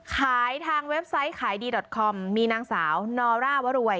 ทางเว็บไซต์ขายดีดอทคอมมีนางสาวนอร่าวรวย